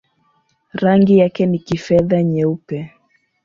Rangi yake ni kifedha-nyeupe.